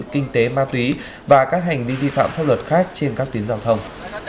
kinh tế ma túy và các hành vi vi phạm pháp luật khác trên các tuyến giao thông